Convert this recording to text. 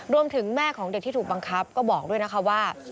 แม่ของเด็กที่ถูกบังคับก็บอกด้วยนะคะว่า